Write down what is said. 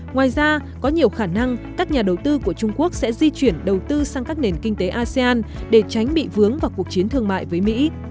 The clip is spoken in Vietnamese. ngoài ra có nhiều khả năng các nhà đầu tư của trung quốc sẽ di chuyển đầu tư sang các nền kinh tế asean để tránh bị vướng vào cuộc chiến thương mại với mỹ